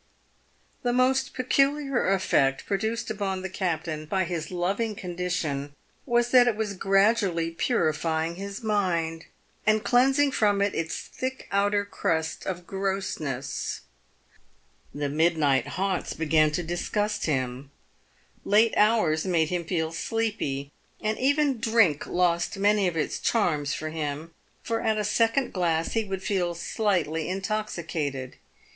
The most peculiar effect produced upon the captain by his loving condition, was that it was gradually purifying his mind, and cleansing it from its thick outer crust of grossness. The midnight haunts began to disgust him, late hours made him feel sleepy, and even drink lost many of its charms for him — for at a second glass he would feel slightly intoxicated.